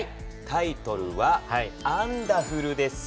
タイトルは「アンダフル」です。